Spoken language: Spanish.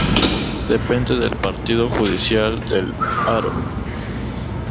Depende del partido judicial de Haro.